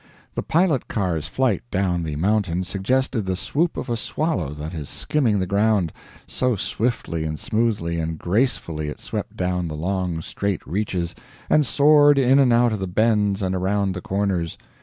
The pilot car's flight down the mountain suggested the swoop of a swallow that is skimming the ground, so swiftly and smoothly and gracefully it swept down the long straight reaches and soared in and out of the bends and around the corners.